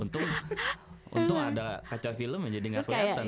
untung ada kaca film jadi gak keliatan